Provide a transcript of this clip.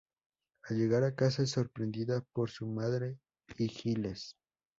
Al llegar a casa es sorprendida por su madre y Giles.